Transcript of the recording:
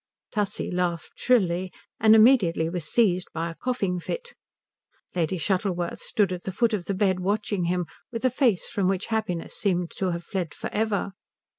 Tussie laughed shrilly, and immediately was seized by a coughing fit. Lady Shuttleworth stood at the foot of the bed watching him with a face from which happiness seemed to have fled for ever.